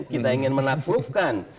kita ingin menaklukkan